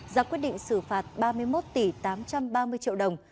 giả quyết định xử phạt ba mươi một tám trăm ba mươi đồng